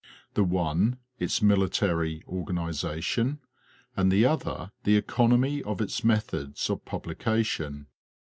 The one its mili tary organization, and the other the economy of its methods of publication.